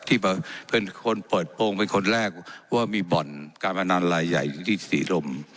ที่เป็นคนเปิดโปรงเป็นคนแรกว่ามีบ่อนการพนันลายใหญ่อยู่ที่ศรีรม